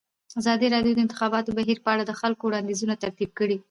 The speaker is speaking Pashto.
ازادي راډیو د د انتخاباتو بهیر په اړه د خلکو وړاندیزونه ترتیب کړي.